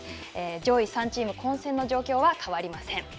上位チーム混戦の状況は変わりません。